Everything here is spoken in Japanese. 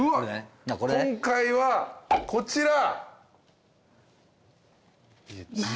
今回はこちら。